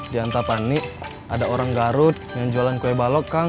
di antapani ada orang garut yang jualan kue balok kang